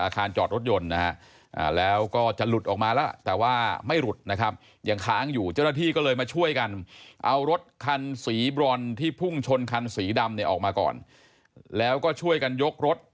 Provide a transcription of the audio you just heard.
มันหูยลงมาแบบนี้แล้วนะครับ